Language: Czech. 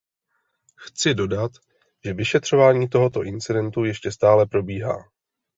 Chci dodat, že vyšetřování tohoto incidentu ještě stále probíhá.